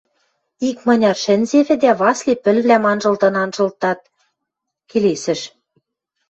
Икманяр шӹнзевӹ, дӓ Васли пӹлвлӓм анжылтын-анжылтат, келесӹш: